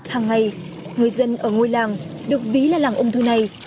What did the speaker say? hàng ngày người dân ở ngôi làng được ví là làng ung thư này